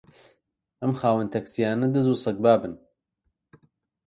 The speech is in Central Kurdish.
ئەم خاوەن تاکسییانە دز و سەگبابن